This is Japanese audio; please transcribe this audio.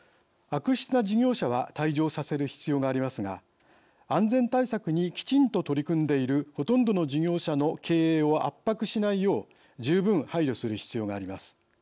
悪質な事業者は退場させる必要がありますが安全対策にきちんと取り組んでいるほとんどの事業者の経営を圧迫しないよう十分配慮する必要があります。